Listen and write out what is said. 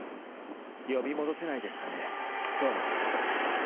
呼び戻せないですかねトーマス。